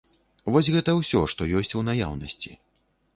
Вось гэта ўсё, што ёсць у наяўнасці.